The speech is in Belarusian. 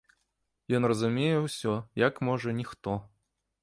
Ён разумее ўсё, як, можа, ніхто.